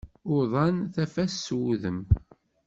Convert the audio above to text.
Uḍan tafat s wudem.